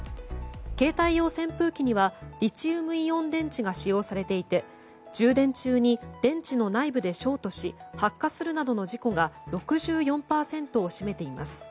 携帯用扇風機にはリチウムイオン電池が使用されていて、充電中に電池の内部でショートし発火するなどの事故が６４％を占めています。